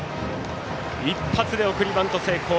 一発で送りバント成功。